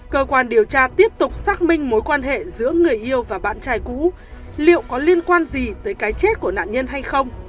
cơ quan điều tra tiếp tục xác minh mối quan hệ giữa người yêu và bạn trai cũ liệu có liên quan gì tới cái chết của nạn nhân hay không